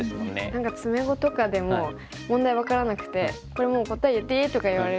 何か詰碁とかでも問題分からなくて「これもう答え言っていい？」とか言われると。